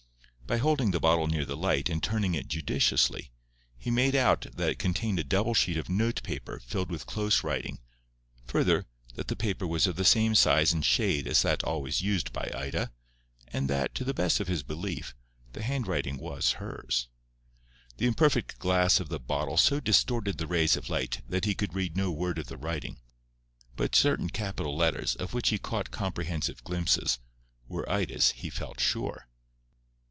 By holding the bottle near the light and turning it judiciously, he made out that it contained a double sheet of note paper filled with close writing; further, that the paper was of the same size and shade as that always used by Ida; and that, to the best of his belief, the handwriting was hers. The imperfect glass of the bottle so distorted the rays of light that he could read no word of the writing; but certain capital letters, of which he caught comprehensive glimpses, were Ida's, he felt sure.